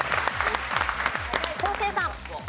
昴生さん。